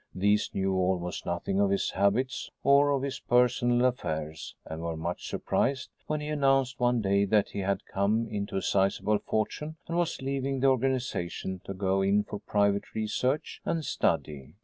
These knew almost nothing of his habits or of his personal affairs, and were much surprised when he announced one day that he had come into a sizable fortune and was leaving the organization to go in for private research and study.